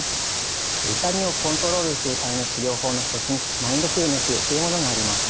痛みをコントロールするための治療法の一つにマインドフルネスというものがあります。